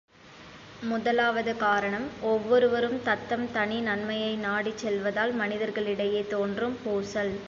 முதலாவது காரணம் ஒவ்வொருவரும் தத்தம் தனி நன்மையை நாடிச் செல்வதால் மனிதர்களிடையே தோன்றும் பூசல்.